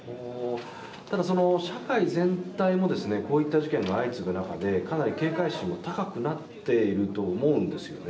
ただ、社会全体もこういった事件が相次ぐ中でかなり警戒心が高くなっていると思うんですよね。